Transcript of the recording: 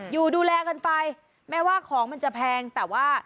อยู่ดูแลกันไปแม้ว่าของมันจะแพงแต่ว่า